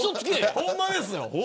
ほんまですよ。